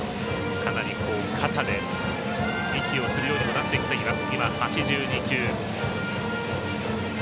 かなり肩で息をするようになってきています。